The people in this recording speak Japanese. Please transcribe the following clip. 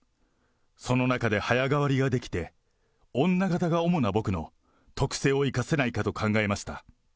その中で早替わりができて、女形が主な僕の特性を生かせないかと考えました。